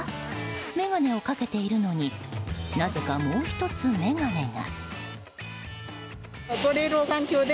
眼鏡をかけているのになぜか、もう１つ眼鏡が。